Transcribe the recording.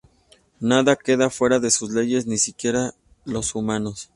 Nada queda fuera de sus leyes, ni siquiera los humanos.